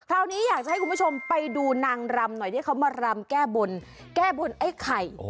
คราวนี้อยากจะให้คุณผู้ชมไปดูนางรำหน่อยที่เขามารำแก้บนแก้บนไอ้ไข่